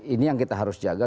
ini yang kita harus jaga